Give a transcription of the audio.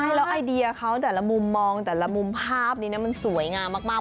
ใช่แล้วไอเดียเขาแต่ละมุมมองแต่ละมุมภาพนี้มันสวยงามมาก